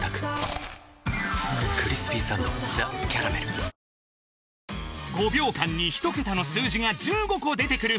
「ビオレ」５秒間に１桁の数字が１５個出てくる